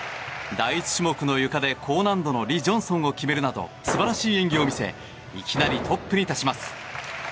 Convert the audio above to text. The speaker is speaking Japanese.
第１種目のゆかで高難度のリ・ジョンソンを決めるなど素晴らしい演技を見せいきなりトップに立ちます。